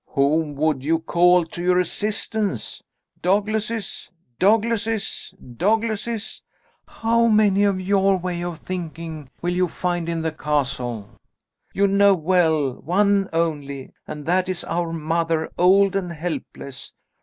"Whom would you call to your assistance? Douglases, Douglases, Douglases! How many of your way of thinking will you find in the castle? You know well, one only, and that is our mother, old and helpless.